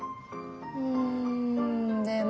うんでも。